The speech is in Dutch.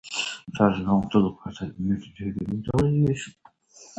Staat het wel onomstotelijk vast dat dat de meest zekere methode is?